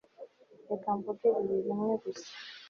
reka mvuge ibi rimwe gusa